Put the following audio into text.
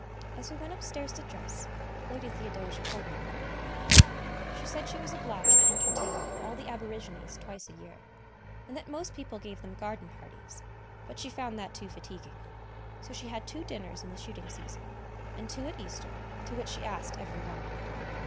As we went upstairs to dress, Lady Theodosia told me about it. She said she was obliged to entertain all the Aborigines twice a year, and that most people gave them garden parties; but she found that too fatiguing, so she had two dinners in the shooting season, and two at Easter, to which she asked every one.